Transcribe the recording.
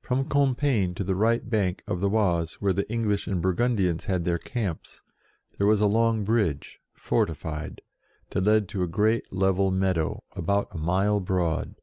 From Compiegne to the right bank of the Oise, where the English and Bur gundians had their camps, there was a long bridge, fortified, that led into a great level meadow, about a mile broad.